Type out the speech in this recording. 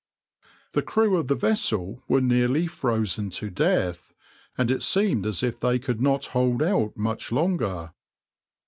The crew of the vessel were nearly frozen to death, and it seemed as if they could not hold out much longer.